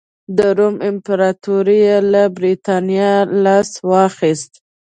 د روم امپراتورۍ له برېټانیا لاس واخیست.